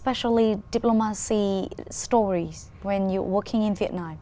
đặc biệt là những câu chuyện về dịch vụ khi các bạn đang ở việt nam